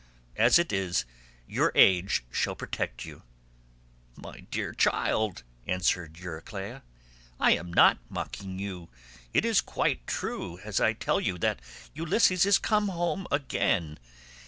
As it is your age shall protect you." "My dear child," answered Euryclea, "I am not mocking you. It is quite true as I tell you that Ulysses is come home again.